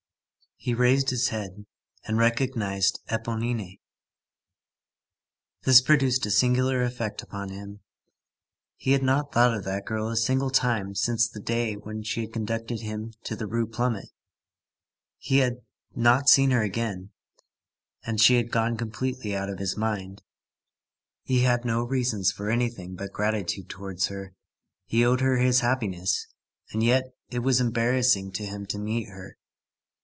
He raised his head and recognized Éponine. This produced a singular effect upon him. He had not thought of that girl a single time since the day when she had conducted him to the Rue Plumet, he had not seen her again, and she had gone completely out of his mind. He had no reasons for anything but gratitude towards her, he owed her his happiness, and yet, it was embarrassing to him to meet her.